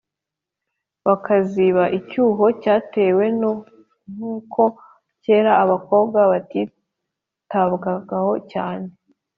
bakaziba icyuho cyatewe n’uko kera abakobwa batitabwagaho cyane